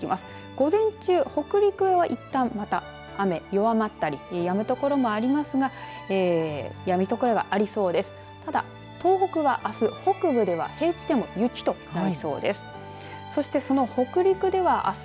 午前中、北陸はいったんまた雨が弱まったりやむ所もありますがやむ所がありそうです。